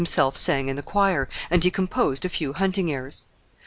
himself sang in the choir, and he composed a few hunting airs.